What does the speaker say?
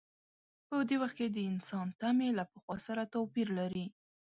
په دې وخت کې د انسان تمې له پخوا سره توپیر لري.